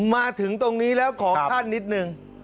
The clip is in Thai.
มาถึงตรงนี้แล้วขอท่านนิดนึง